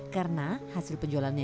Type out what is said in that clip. karena hasil penjualannya